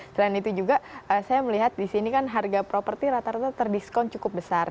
selain itu juga saya melihat di sini kan harga properti rata rata terdiskon cukup besar